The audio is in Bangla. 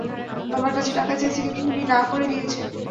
বাবার কাছে টাকা চেয়েছি কিন্তু উনি না করে দিয়েছে।